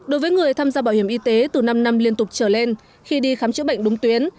đối với người tham gia bảo hiểm y tế từ năm năm liên tục trở lên khi đi khám chữa bệnh đúng tuyến